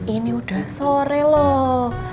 ini udah sore loh